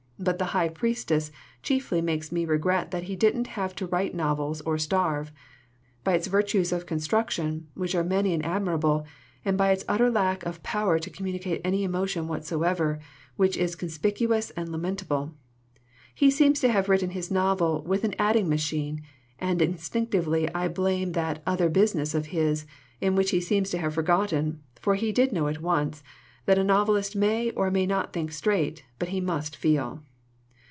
But The High Priestess chiefly makes me regret that he didn't have to write novels or starve; by its virtues of construction, which are many and admirable, and by its utter lack of power to communicate any emotion whatsoever, which is conspicuous and lamentable. He seems to have written his novel with an adding machine, and instinctively I blame 114 SOME HARMFUL INFLUENCES that 'other business' of his, in which he seems to have forgotten for he did know it once that a novelist may or may not think straight, but he must feel.